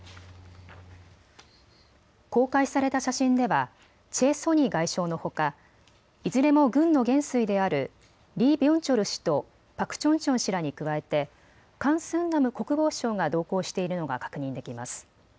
公開された写真ではチェ・ソニ外相のほかいずれも軍の元帥であるリ・ビョンチョル氏とパク・チョンチョン氏らに加えてカン・スンナム国防相が同行しているのが確認できます。